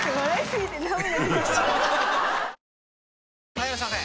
・はいいらっしゃいませ！